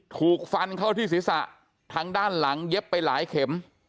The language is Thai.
ถูกฟันเข้าที่ศีรษะทางด้านหลังเย็บไปหลายเข็ม